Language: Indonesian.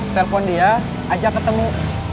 telepon dia ajak ketemu